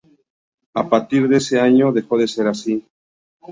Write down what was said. A partir de ese año dejó de ser así.